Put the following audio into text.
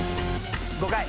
５回。